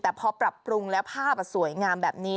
แต่พอปรับปรุงแล้วภาพสวยงามแบบนี้